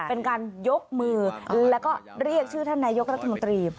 เป็นการยกมือแล้วก็เรียกชื่อท่านนายกรัฐมนตรี